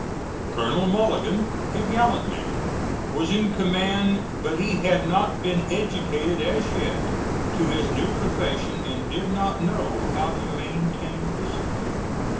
Colonel Mulligan, a gallant man, was in command, but he had not been educated as yet to his new profession and did not know how to maintain discipline.